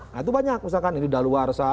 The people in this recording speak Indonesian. nah itu banyak misalkan ini daluarsa